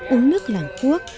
uống nước làng khuốc